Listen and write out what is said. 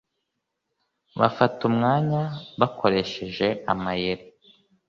bafata umwanya bakoresheje amayeri